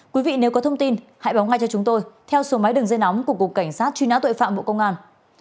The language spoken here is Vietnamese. quý vị nếu có thông tin hãy báo ngay cho chúng tôi theo số máy đường dây nóng của cục cảnh sát truy nã tội phạm bộ công an